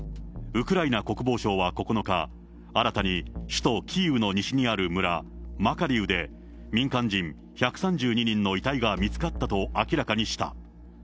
ウクライナ国防省は９日、新たに首都キーウの西にある村、マカリウで民間人１３２人の遺体が見つかったと明らかにした。